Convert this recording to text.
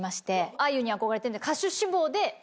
あゆに憧れてるんで。